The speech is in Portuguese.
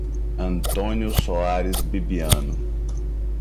Antônio Soares Bibiano